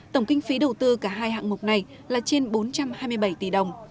tổng kinh phí đầu tư cả hai hạng mục này là trên bốn trăm hai mươi bảy tỷ đồng